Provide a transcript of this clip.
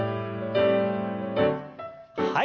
はい。